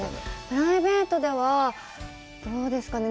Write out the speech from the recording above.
プライベートでは、どうですかね。